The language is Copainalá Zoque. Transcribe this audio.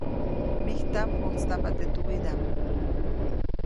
Mijtaʼm mjojtstampa teʼ tuwiʼdaʼm.